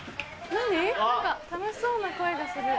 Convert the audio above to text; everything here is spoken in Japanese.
何か楽しそうな声がする。